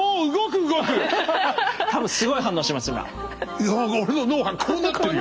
いや俺の脳波がこうなってるよ。